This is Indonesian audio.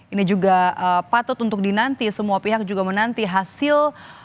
ini juga patut untuk dinanti semua pihak juga menanti hasil